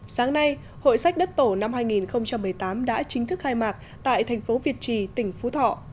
sáng nay hội sách đất tổ năm hai nghìn một mươi tám đã chính thức khai mạc tại thành phố việt trì tỉnh phú thọ